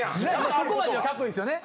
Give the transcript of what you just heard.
そこまではカッコいいですよね。